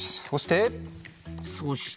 そして？